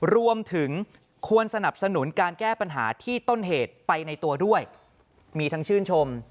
รวมถึงควรสนับสนุนการแก้ปัญหาที่ต้นเหตุไปในตัวด้วยมีทั้งชื่นชม